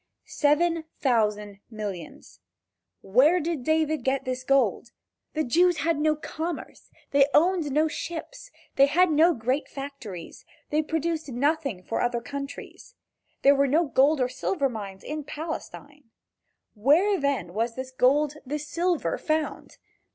Seven thousand millions. Where did David get this gold? The Jews had no commerce. They owned no ships. They had no great factories, they produced nothing for other countries. There were no gold or silver mines in Palestine. Where then was this gold, this silver found?